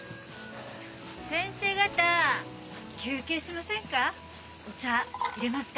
先生方休憩しませんか？